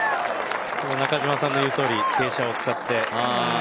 中嶋さんの言うとおり傾斜を使って。